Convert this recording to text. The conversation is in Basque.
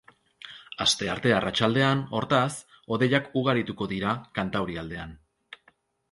Astearte arratsaldean, hortaz, hodeiak ugarituko dira kantaurialdean.